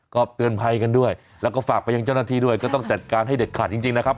ก็เตือนภัยกันด้วยแล้วก็ฝากไปยังเจ้าหน้าที่ด้วยก็ต้องจัดการให้เด็ดขาดจริงนะครับ